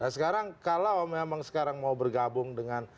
sekarang kalau memang sekarang mau bergabung dengan